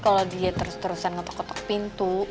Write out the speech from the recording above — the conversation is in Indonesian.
kalau dia terus terusan ngetok ngetok pintu